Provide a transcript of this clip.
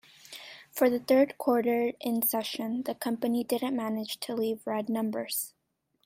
For the third quarter in succession, the company didn't manage to leave red numbers.